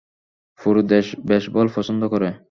পুরো দেশ বেসবল পছন্দ করে।